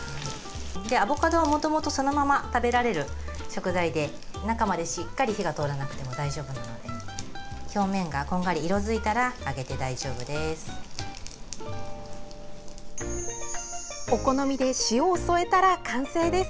アボカドはもともとそのまま食べられる食材で中までしっかり火が通らなくても大丈夫なので表面がこんがり色づいたらあげて大丈夫です。